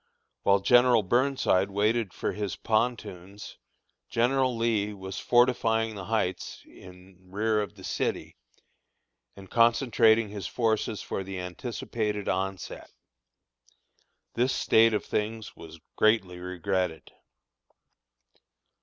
While General Burnside waited for his pontoons, General Lee was fortifying the Heights in rear of the city, and concentrating his forces for the anticipated onset. This state of things was greatly regretted.